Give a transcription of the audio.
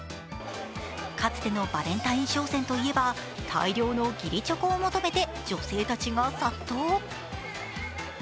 かつてのバレンタイン商戦といえば大量の義理チョコを求めて女性たちが殺到。